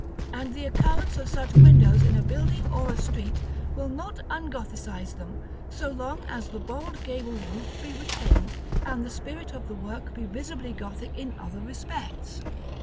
and the occurrence of such windows in a building or a street will not un Gothicize them, so long as the bold gable roof be retained, and the spirit of the work be visibly Gothic in other respects.